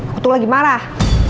aku tuh lagi marah